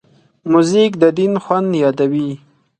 موزیک د دیدن خوند یادوي.